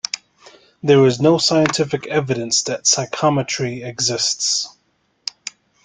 There is no scientific evidence that psychometry exists.